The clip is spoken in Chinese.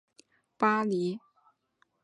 秘书处设在法国巴黎。